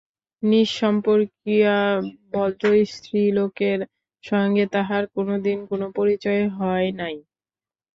নিঃসম্পর্কীয়া ভদ্রস্ত্রীলোকের সঙ্গে তাহার কোনোদিন কোনো পরিচয় হয় নাই।